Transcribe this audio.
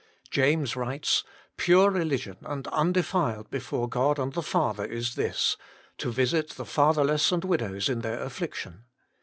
James writes :" Pure religion and undefiled before God and the Father is this, To visit the fatherless and widows in their affliction."